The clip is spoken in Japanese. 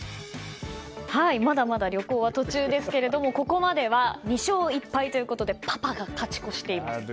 まだまだ旅行は途中ですがここまでは２勝１敗ということでパパが勝ち越しています。